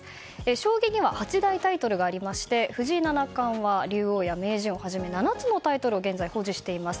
将棋には八大タイトルがありまして藤井七冠は竜王や名人をはじめ７つのタイトルを現在、保持しています。